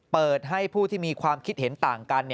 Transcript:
เปิดให้ผู้ที่มีความคิดเห็นต่างกัน